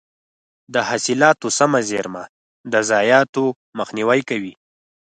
د حاصلاتو سمه زېرمه د ضایعاتو مخنیوی کوي.